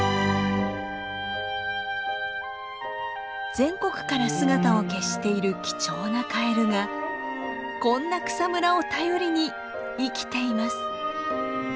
全国から姿を消している貴重なカエルがこんな草むらを頼りに生きています。